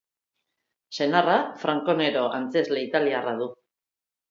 Senarra Franco Nero antzezle italiarra du.